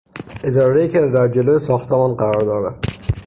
ادارهای که در جلو ساختمان قرار دارد